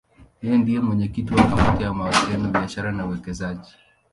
Yeye ndiye mwenyekiti wa Kamati ya Mawasiliano, Biashara na Uwekezaji.